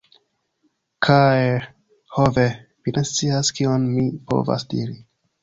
Kaj... ho ve, mi ne scias kion mi povas diri!